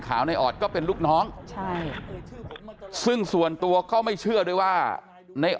ในออดก็เป็นลูกน้องใช่ซึ่งส่วนตัวก็ไม่เชื่อด้วยว่าใน